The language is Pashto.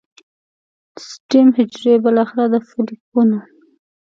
سټیم حجرې بالاخره د فولیکونو